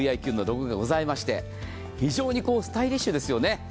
ＶｉＱのロゴがございまして非常にスタイリッシュですよね。